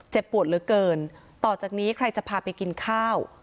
ปวดเหลือเกินต่อจากนี้ใครจะพาไปกินข้าว